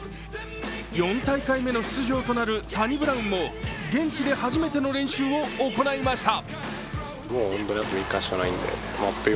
４大会目の出場となるサニブラウンも現地で初めての練習を行いました。